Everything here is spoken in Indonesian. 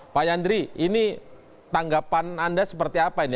pak yandri ini tanggapan anda seperti apa ini